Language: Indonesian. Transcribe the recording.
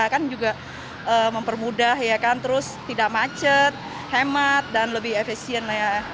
kan juga mempermudah ya kan terus tidak macet hemat dan lebih efisien